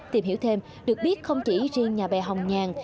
tìm hiểu thêm được biết không chỉ riêng nhà bè hồng nhàng